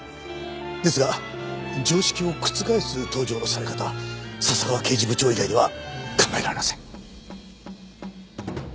ですが常識を覆す登場のされ方は笹川刑事部長以外には考えられません。